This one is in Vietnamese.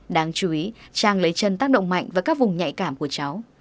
đáng chú ý trang lấy chân tác động mạnh vào các vùng nhạy cảm của cháu